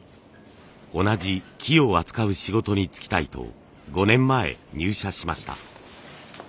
同じ木を扱う仕事に就きたいと５年前入社しました。